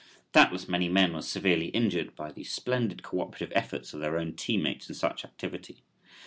Doubtless many men were severely injured by the splendid co operative efforts of their own team mates in such activity.